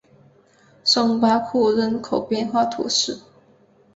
松巴库人口变化图示